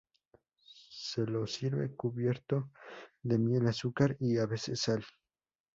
Se lo sirve cubierto de miel, azúcar y a veces sal.